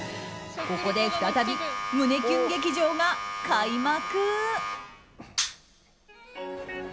ここで再び、胸キュン劇場が開幕。